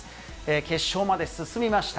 決勝まで進みました。